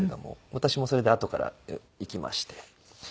私もそれであとから行きまして。